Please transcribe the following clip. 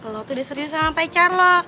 lo udah serius sama pacar lo